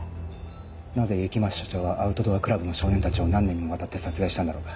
なぜ雪松署長はアウトドアクラブの少年たちを何年にもわたって殺害したんだろう？